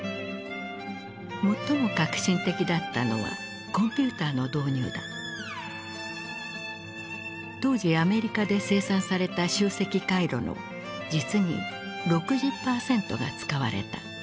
最も革新的だったのは当時アメリカで生産された集積回路の実に６０％が使われた。